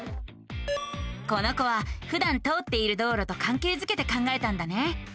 この子はふだん通っている道路とかんけいづけて考えたんだね。